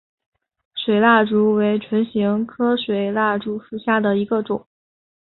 水蜡烛为唇形科水蜡烛属下的一个种。